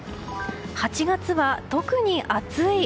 ８月は特に暑い。